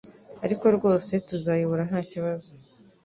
Ariko rwose tuzayobora Ntakibazo